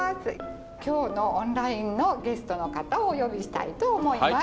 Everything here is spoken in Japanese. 今日のオンラインのゲストの方をお呼びしたいと思います。